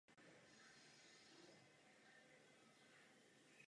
Jeho bratr Benedict Anderson je rovněž významným sociálním vědcem.